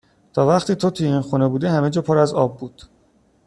تا وقتی تو توی این خونه بودی همه جا پر از آب بود